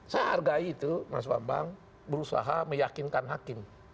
saya hargai itu mas bambang berusaha meyakinkan hakim